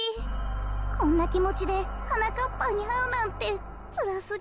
こころのこえこんなきもちではなかっぱんにあうなんてつらすぎる。